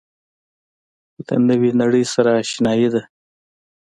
له نوې نړۍ سره آشنايي ده.